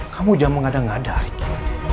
kamu udah mengadang adang ricky